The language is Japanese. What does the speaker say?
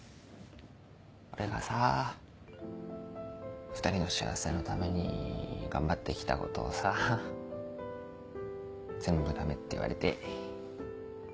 俺がさぁ２人の幸せのために頑張ってきたことをさぁ全部ダメって言われて。